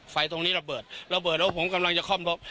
ไฟตรงนี้ระเบิดระเบิดแล้วผมกำลังจะคล่อมรถ